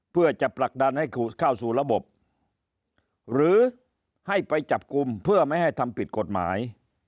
เพื่อจะผลักดันให้เข้าสู่ระบบหรือให้ไปจับกลุ่มเพื่อไม่ให้ทำผิดกฎหมาย